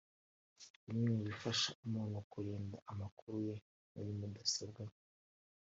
Bimwe mu bifasha umuntu kurinda amakuru ye muri mudasobwa